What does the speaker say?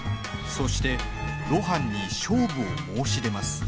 そして露伴に勝負を申し出ます。